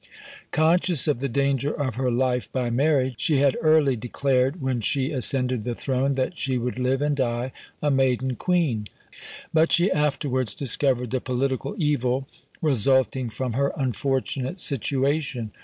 Conscious of the danger of her life by marriage, she had early declared when she ascended the throne, that "she would live and die a maiden queen:" but she afterwards discovered the political evil resulting from her unfortunate situation.